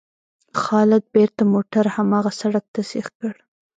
خالد بېرته موټر هماغه سړک ته سیخ کړ.